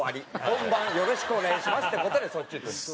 本番よろしくお願いしますって事でそっち行くんです。